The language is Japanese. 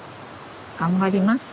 頑張ります。